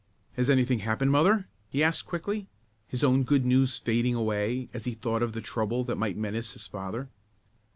"Has anything happened, mother?" he asked quickly, his own good news fading away as he thought of the trouble that might menace his father.